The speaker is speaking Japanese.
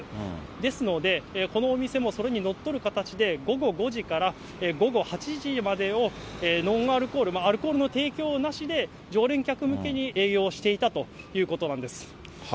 ですので、このお店もそれにのっとる形で、午後５時から午後８時までを、ノンアルコール、アルコールの提供なしで、常連客向けに営業していたということなんです。